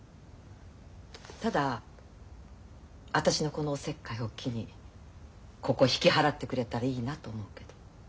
ただ私のこのおせっかいを機にここ引き払ってくれたらいいなと思うけど。